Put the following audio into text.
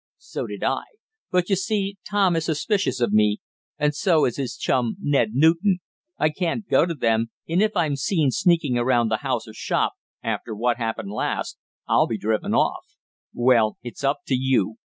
"So did I. But you see Tom is suspicious of me, and so is his chum, Ned Newton. I can't go to them, and if I'm seen sneaking around the house or shop, after what happened last, I'll be driven off." "Well, it's up to you.